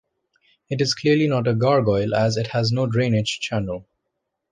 It is clearly not a gargoyle as it has no drainage channel.